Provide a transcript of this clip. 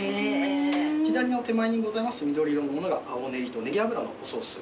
左の手前にございます緑色のものが青ねぎとネギ油のおソース。